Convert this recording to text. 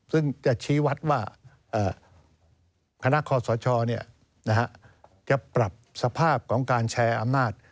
ซึ่งจะชี้วัดว่าคณะคอสชจะปรับสภาพของการแชร์อำนาจ